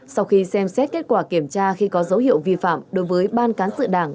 sau khi xem xét kết quả kiểm tra khi có dấu hiệu vi phạm đối với ban cán sự đảng